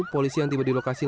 polisi yang tiba di lokasi